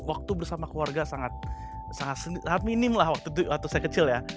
waktu bersama keluarga sangat minim lah waktu saya kecil ya